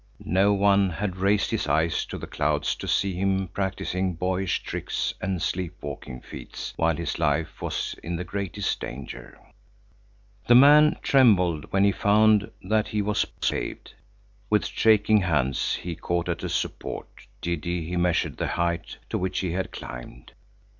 No one had raised his eyes to the clouds to see him practising boyish tricks and sleep walking feats while his life was in the greatest danger. The man trembled when he found that he was saved. With shaking hands he caught at a support, giddy he measured the height to which he had climbed.